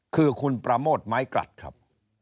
คือคุณประโมทไม้กลัดครับ